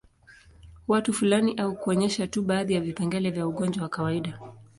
Watu fulani au kuonyesha tu baadhi ya vipengele vya ugonjwa wa kawaida